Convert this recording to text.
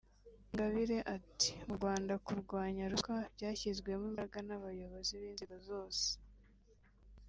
Ingabire ati”Mu Rwanda kurwanya ruswa byashyizwemo imbaraga n’abayobozi b’inzego zose